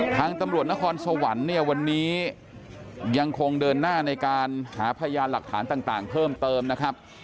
ทางตำรวจนครสวรรค์เนี่ยวันนี้ยังคงเดินหน้าในการหาพยานหลักฐานต่างเพิ่มเติมนะครับ